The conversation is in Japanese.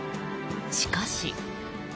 しかし。